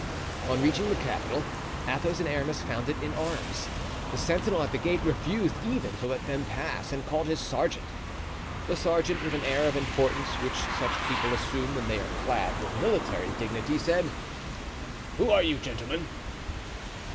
On reaching the capital Athos and Aramis found it in arms. The sentinel at the gate refused even to let them pass, and called his sergeant. The sergeant, with the air of importance which such people assume when they are clad with military dignity, said: "Who are you, gentlemen?"